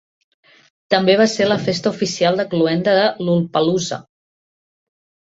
També va ser la festa oficial de cloenda de Lollpalooza.